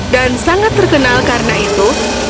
sangat terkenal karena itu